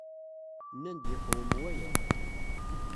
Nnan-d yeqwem waya.